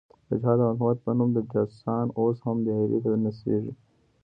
د جهاد او مقاومت په نوم جاسوسان اوس هم دایرې ته نڅېږي.